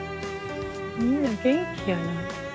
みんな元気やな。